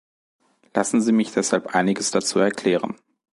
Lassen Sie mich deshalb einiges dazu erklären.